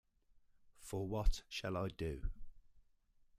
For what shall I do?